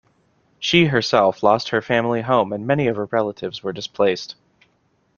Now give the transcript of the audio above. She herself lost her family home and many of her relatives were displaced.